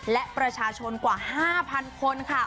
และประชาชนกว่า๕๐๐คนค่ะ